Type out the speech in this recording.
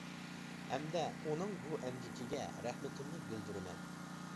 ھەمدە ئۇنىڭ بۇ ئەمگىكىگە رەھمىتىمنى بىلدۈرىمەن.